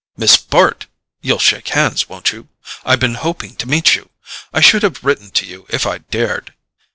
"Miss Bart!—You'll shake hands, won't you? I've been hoping to meet you—I should have written to you if I'd dared."